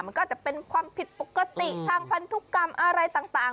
มันก็อาจจะเป็นความผิดปกติทางพันธุกรรมอะไรต่าง